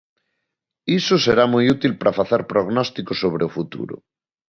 Iso será moi útil para facer prognósticos sobre o futuro.